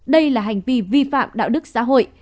đây là hành vi vi phạm đạo đức xã hội